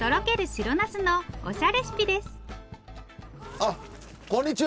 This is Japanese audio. あこんにちは。